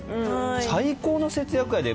最高の節約やで。